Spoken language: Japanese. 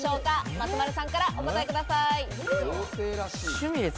松丸さんからお答えください。